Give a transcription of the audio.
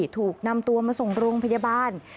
ถูกนำตัวมาส่งโรงพยาบาล